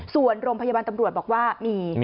ส่วนโรงพยาบาลตำรวจบอกว่ามี